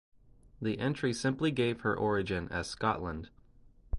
The entry simply gave her origin as Scotland.